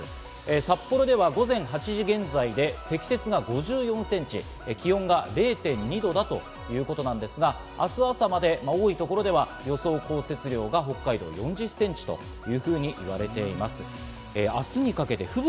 札幌では午前８時現在で積雪が５４センチ、気温が氷点下０．２度だということですが、明日朝まで多い所では予想降雪量が北海道で４０センチというふうに言われています。